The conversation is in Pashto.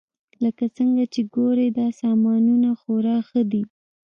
لکه څنګه چې ګورئ دا سامانونه خورا ښه دي